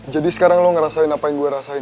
jadi sekarang lo ngerasain apa yang gue rasain